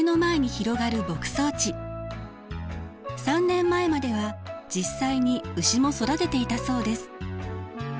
３年前までは実際に牛も育てていたそうです。